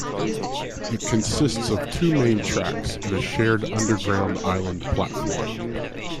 It consists of two main tracks and a shared underground island platform.